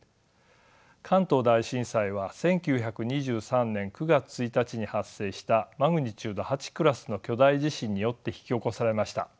関東大震災は１９２３年９月１日に発生したマグニチュード８クラスの巨大地震によって引き起こされました。